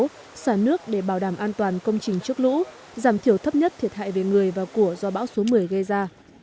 nhiều người đã cố xả nước để bảo đảm an toàn công trình trước lũ giảm thiểu thấp nhất thiệt hại về người và của do bão số một mươi gây ra